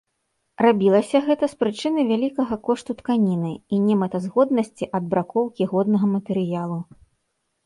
Рабілася гэта з прычыны вялікага кошту тканіны і немэтазгоднасці адбракоўкі годнага матэрыялу.